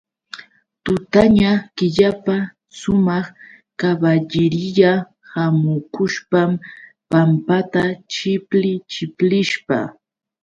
Tutaña killapa sumaq kaballiriya hamukushpam pampata chipli chiplishpa.